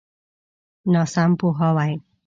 ناسم پوهاوی.